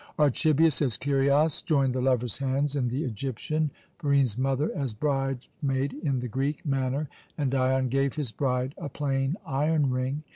Archibius, as kyrios, joined the lovers' hands in the Egyptian Barine's mother, as bridesmaid, in the Greek manner, and Dion gave his bride a plain iron ring.